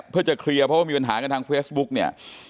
เพื่อจะเคลียร์เพราะว่ามีปัญหากันทางเฟซบุ๊กเนี่ย